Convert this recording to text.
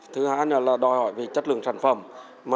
thứ hai nữa là đòi hỏi về chất lượng sản phẩm